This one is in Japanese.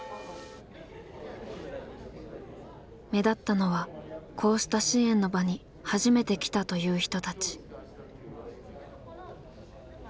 目立ったのはこうした支援の場に初めて来たという人たち。